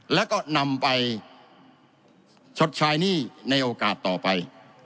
แล้วก็นำไปชดใช้หนี้ในโอกาสต่อไป